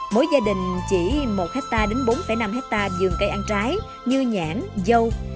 mỗi gia đình chỉ một hectare đến bốn năm hectare dường cây ăn trái như nhãn dâu